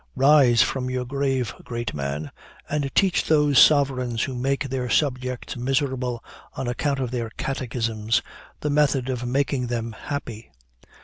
Rise from your grave, great man! and teach those sovereigns who make their subjects miserable on account of their catechisms, the method of making them happy.